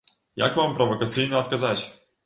Як вам правакацыйна адказаць?